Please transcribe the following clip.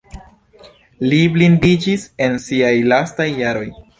Li blindiĝis en siaj lastaj jaroj.